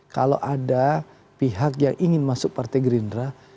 kalau ada pihak yang ingin masuk partai gerindra